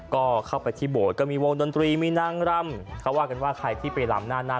ก็เข้าไปที่โบสถ์ก็มีวงดนตรีมีนางรำเขาว่ากันว่าใครที่ไปลำหน้าหน้า